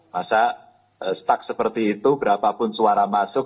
masa stuck seperti itu berapapun suara masuk